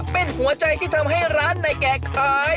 เป็นหัวใจที่ทำให้ร้านในแก่ขาย